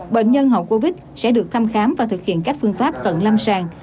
bệnh nhân hậu covid sẽ được thăm khám và thực hiện các phương pháp cận lâm sàng